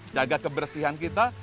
jaga kebersihan kita